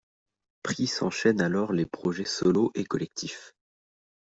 Price enchaîne alors les projets solos et collectifs.